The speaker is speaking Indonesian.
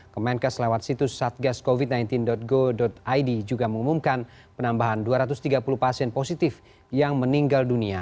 kemenkes lewat situs satgascovid sembilan belas go id juga mengumumkan penambahan dua ratus tiga puluh pasien positif yang meninggal dunia